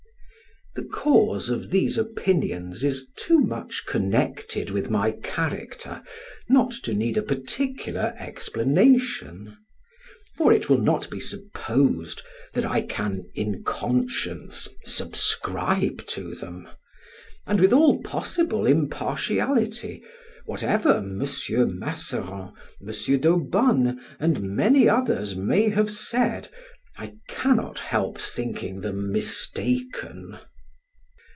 The cause of these opinions is too much connected with my character not to need a particular explanation; for it will not be supposed that I can in conscience subscribe to them; and with all possible impartiality, whatever M. Masseron, M. d'Aubonne and many others may have said, I cannot help thinking them mistaken.